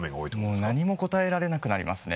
もう何も応えられなくなりますね。